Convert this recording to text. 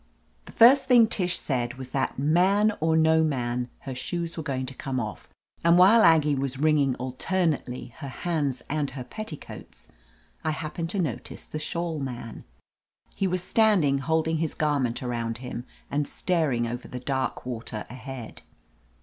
The first thing Tish said was that, man or no man, her shoes were going to come off, and while Aggie was wringing alternately her hands and her petticoats, I happened to notice the Shawl Man. He was standing holding his garment around him and staring over the dark water ahead.